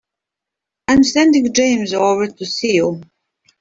I'm sending James over to see you.